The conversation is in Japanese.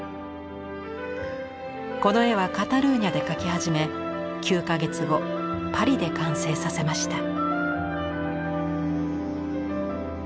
この絵はカタルーニャで描き始め９か月後パリで完成させました。